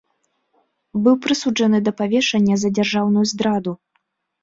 Быў прысуджаны да павешання за дзяржаўную здраду.